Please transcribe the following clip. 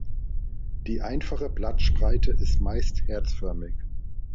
Die einfache Blattspreite ist meist herzförmig.